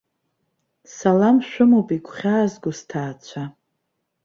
Салам шәымоуп игәхьаазго сҭаацәа!